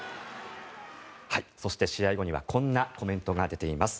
そして、試合後にはこんなコメントが出ています。